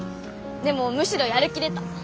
でもむしろやる気出た。